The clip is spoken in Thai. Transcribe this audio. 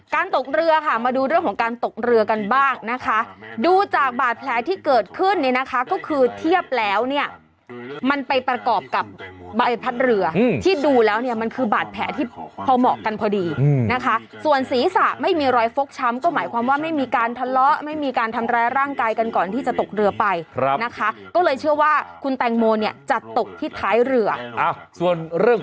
ตกเรือค่ะมาดูเรื่องของการตกเรือกันบ้างนะคะดูจากบาดแผลที่เกิดขึ้นเนี่ยนะคะก็คือเทียบแล้วเนี่ยมันไปประกอบกับใบพัดเรือที่ดูแล้วเนี่ยมันคือบาดแผลที่พอเหมาะกันพอดีนะคะส่วนศีรษะไม่มีรอยฟกช้ำก็หมายความว่าไม่มีการทะเลาะไม่มีการทำร้ายร่างกายกันก่อนที่จะตกเรือไปนะคะก็เลยเชื่อว่าคุณแตงโมเนี่ยจะตกที่ท้ายเรือส่วนเรื่อง